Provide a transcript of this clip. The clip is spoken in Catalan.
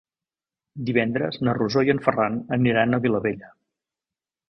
Divendres na Rosó i en Ferran aniran a Vilabella.